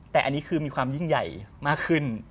แต่อันนี้คือมีความยิ่งใหญ่มากขึ้น